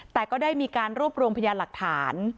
แต่ก็ได้มีการรวบรวมพยานหลักฐาน